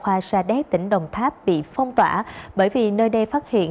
khoa sa đéc tỉnh đồng tháp bị phong tỏa bởi vì nơi đây phát hiện